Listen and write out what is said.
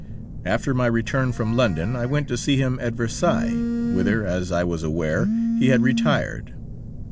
After my return from London I went to see him at Versailles, whither, as I was aware, he had retired.